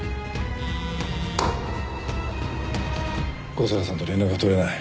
香坂さんと連絡が取れない。